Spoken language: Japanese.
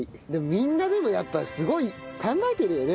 みんなでもやっぱすごい考えてるよね。